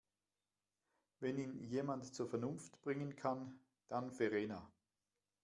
Wenn ihn jemand zur Vernunft bringen kann, dann Verena.